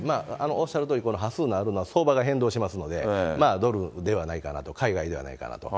おっしゃるとおり、端数があるのは相場が変動しますので、ドルではないかなと、海外ではないかなと。